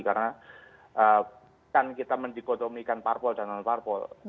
karena kan kita mendikodomikan parpol dan non parpol